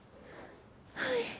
はい。